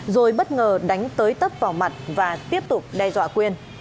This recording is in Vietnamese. rồi bất ngờ đánh tới tấp vào mặt và tiếp tục đe dọa quyên